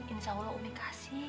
insya allah umi kasih